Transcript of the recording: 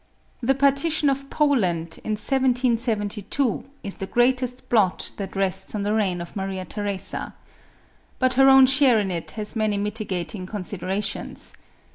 The partition of Poland, in 1772, is the greatest blot that rests on the reign of Maria Theresa. But her own share in it has many mitigating considerations.